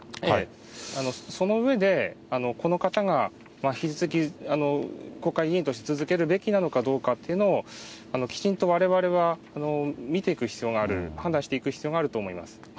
その上で、この方が引き続き国会議員として続けるべきなのかどうかっていうのを、きちんとわれわれは見ていく必要がある、判断していく必要があると思います。